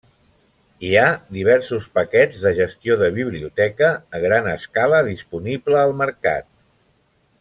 Hi ha diversos paquets de gestió de biblioteca a gran escala disponible al mercat.